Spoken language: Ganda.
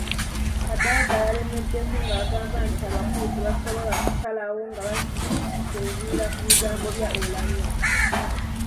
Kadaga yalemeddeko ng’agamba nti abakulu tebasobola kusalawo nga basinziira ku bigambo bya Oulanyah.